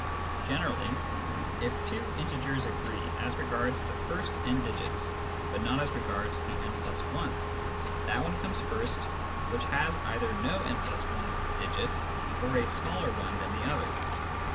Generally, if two integers agree as regards the first n digits, but not as regards the («+i)' ft , that one comes first which has either no (« fi)'" digit or a smaller one than the other.